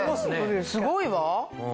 すごいわ。